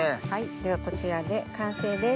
ではこちらで完成です。